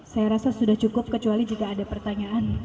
saya rasa sudah cukup kecuali jika ada pertanyaan